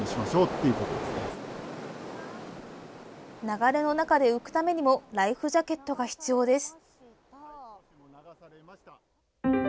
流れの中で浮くためにもライフジャケットが必要です。